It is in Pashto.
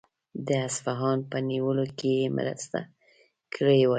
د اصفهان په نیولو کې یې مرسته کړې وای.